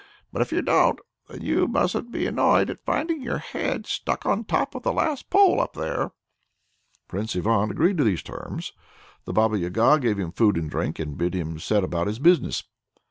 But if you don't why then you mustn't be annoyed at finding your head stuck on top of the last pole up there." Prince Ivan agreed to these terms. The Baba Yaga gave him food and drink, and bid him set about his business.